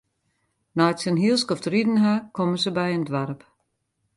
Nei't se in hiel skoft riden ha, komme se by in doarp.